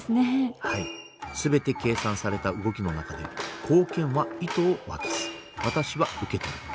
はい全て計算された動きの中で後見は糸を渡す私は受け取る。